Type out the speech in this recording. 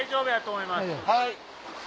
はい。